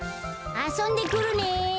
あそんでくるね。